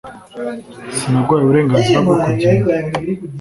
Sinaguhaye uburenganzira bwo kugenda